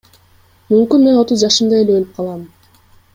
Мүмкүн мен отуз жашымда эле өлүп калам?